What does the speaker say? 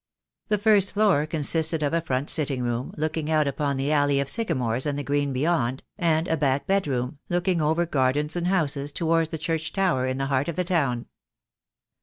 The first floor consisted of a front sitting room, looking out upon the alley of sycamores and the green beyond, and a back bedroom, looking over gardens and houses, towards the church tower in the heart of the town.